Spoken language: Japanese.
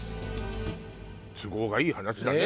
都合がいい話だね